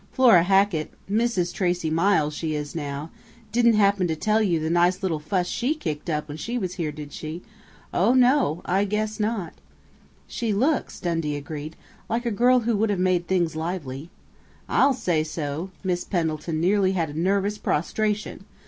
"Flora Hackett Mrs. Tracey Miles she is now didn't happen to tell you the nice little fuss she kicked up when she was here, did she? Oh, no! I guess not!" "She looks," Dundee agreed, "like a girl who would have made things lively." "I'll say so! Miss Pendleton nearly had nervous prostration!"